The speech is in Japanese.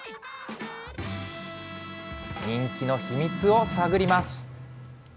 人気の秘密を探ります。